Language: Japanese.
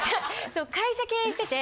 そう会社経営してて。